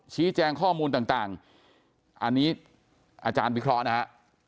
ชี้แจงข้อมูลต่างอันนี้อาจารย์วิเคราะห์นะฮะ